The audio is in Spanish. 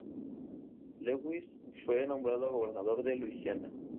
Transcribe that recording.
Lewis fue nombrado gobernador de Luisiana.